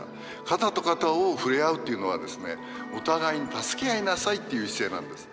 肩と肩を触れ合うっていうのはですねお互いに助け合いなさいっていう姿勢なんです。